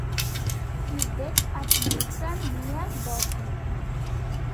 He died at Milton, near Dorking.